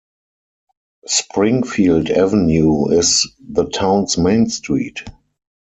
Springfield Avenue is the town's main street.